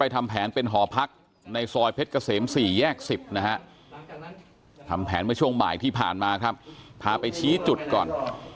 ทำแผนเมื่อช่วงบ่ายที่ผ่านมาครับพาไปชี้จุดก่อน